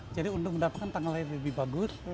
jadi untuk mendapatkan tanggal lahir lebih bagus